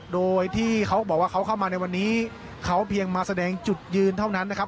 โดยที่เขาบอกว่าเขาเข้ามาในวันนี้เขาเพียงมาแสดงจุดยืนเท่านั้นนะครับ